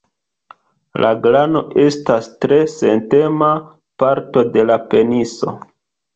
La glano estas tre sentema parto de la peniso.